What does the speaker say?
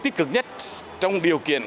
tích cực nhất trong điều kiện